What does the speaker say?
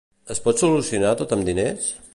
Es pot solucionar tot amb diners?